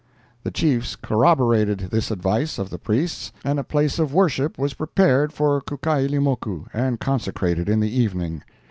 The chiefs corroborated this advice of the priests, and a place of worship was prepared for Kukailimoku, and consecrated in the evening.